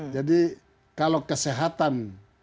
jadi kalau kesehatan